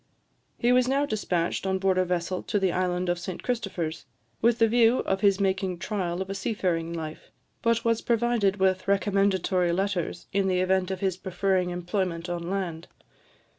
He was now despatched on board a vessel to the island of St Christopher's, with the view of his making trial of a seafaring life, but was provided with recommendatory letters, in the event of his preferring employment on land.